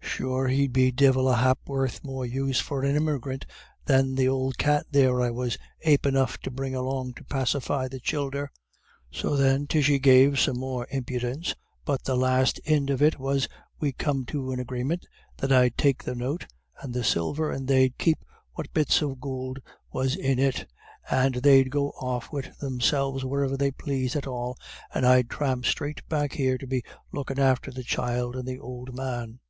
Sure he'd be divil a ha'porth more use for an immigrant than the ould cat there I was ape enough to bring along to pacify the childer.' So then Tishy gave some more impidence, but the last ind of it was we come to an agreement that I'd take the note and the silver, and they'd keep what bits of gould was in it, and they'd go off wid themselves wheriver they plased at all, and I'd thramp straight back here to be lookin' after the child and th' ould man.